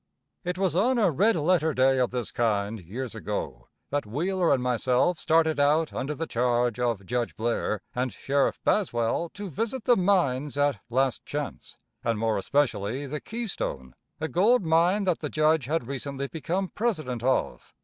It was on a red letter day of this kind, years ago, that Wheeler and myself started out under the charge of Judge Blair and Sheriff Baswell to visit the mines at Last Chance, and more especially the Keystone, a gold mine that the Judge had recently become president of.